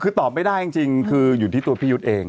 คือตอบไม่ได้จริงคืออยู่ที่ตัวพี่ยุทธ์เอง